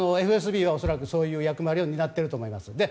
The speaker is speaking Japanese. ＦＳＢは恐らくそういう役割だと思います。